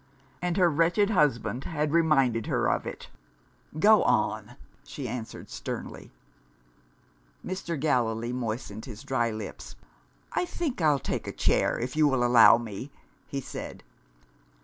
And her wretched husband had reminded her of it. "Go on!" she answered sternly. Mr. Gallilee moistened his dry lips. "I think I'll take a chair, if you will allow me," he said.